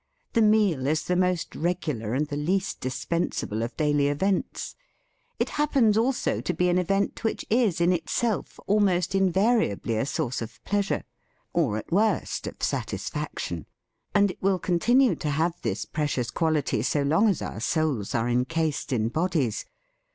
The meal is the most regular and the least dispensable of daily events; it happens also to be an event which is in itself almost invari ably a source of pleasure, or, at worst, THE FEAST OF ST FRIEND of satisfaction: and it will continue to have this precious quality so long as our souls are encased in bodies.